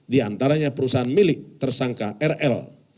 diantaranya perusahaan milik tersangka rl